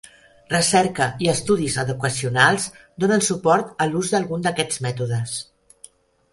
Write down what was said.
Recerca i estudis educacionals donen suport a l'ús d'algun d'aquests mètodes.